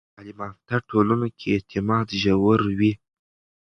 په تعلیم یافته ټولنو کې اعتماد ژور وي.